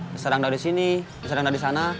diserang dari sini diserang dari sana